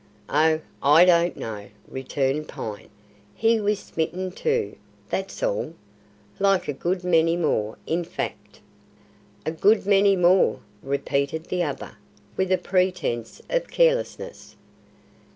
"Oh, I don't know," returned Pine. "He was smitten too, that's all. Like a good many more, in fact." "A good many more!" repeated the other, with a pretence of carelessness.